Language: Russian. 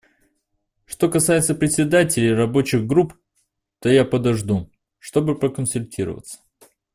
Что касается председателей рабочих групп, то я подожду, чтобы проконсультироваться.